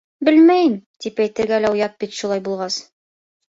Белмәйем, тип әйтергә оят бит шулай булғас.